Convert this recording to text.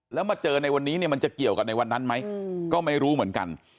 แล้วมาเจอในวันนี้เนี่ยมันจะเกี่ยวกันในวันนั้นไหมก็ไม่รู้เหมือนกัน